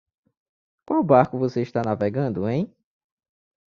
Qual barco você está navegando em?